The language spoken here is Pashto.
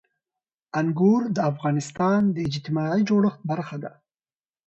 انګور د افغانستان د اجتماعي جوړښت برخه ده.